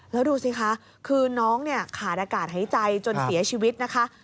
แล้วดูสิคะคือน้องเนี่ยขาดอากาศหายใจจนเสียชีวิตนะคะ